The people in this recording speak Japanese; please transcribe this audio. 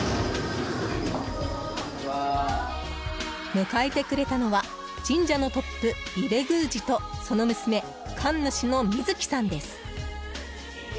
迎えてくれたのは神社のトップ、伊部宮司とその娘、神主の瑞葵さんです。